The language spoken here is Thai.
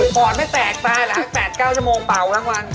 อดไม่แตกตายเหรอ๘๙ชั่วโมงเป่าทั้งวัน